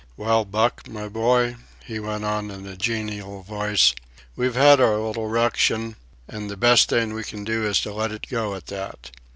"Well, Buck, my boy," he went on in a genial voice, "we've had our little ruction, and the best thing we can do is to let it go at that.